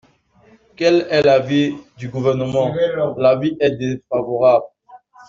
Quel est l’avis du Gouvernement ? L’avis est défavorable.